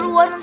di luar luar